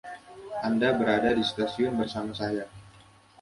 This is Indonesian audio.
Anda berada di stasiun bersama saya.